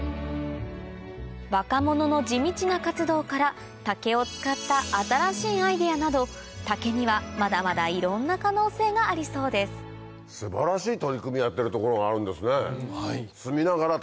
若者の地道な活動から竹を使った新しいアイデアなど竹にはまだまだいろんな可能性がありそうです素晴らしい取り組みやってる所があるんですね。